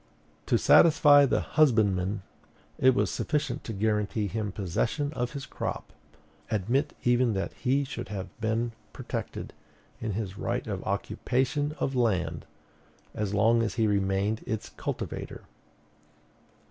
To satisfy the husbandman, it was sufficient to guarantee him possession of his crop; admit even that he should have been protected in his right of occupation of land, as long as he remained its cultivator.